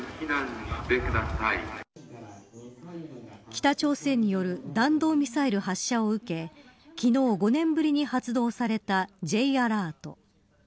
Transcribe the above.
北朝鮮による弾道ミサイル発射を受け昨日、５年ぶりに発動されたＪアラート。